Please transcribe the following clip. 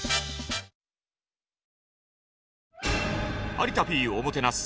「有田Ｐおもてなす」